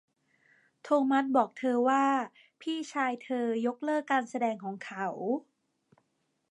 โทมัสบอกเธอว่าพี่ชายเธอยกเลิกการแสดงของเขา